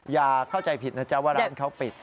อย่าเข้าใจผิดนะจ๊ะว่าร้านเขาปิด